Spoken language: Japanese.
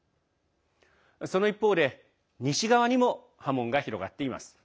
その一方で西側にも波紋が広がっています。